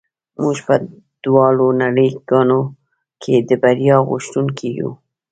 موږ په دواړو نړۍ ګانو کې د بریا غوښتونکي یو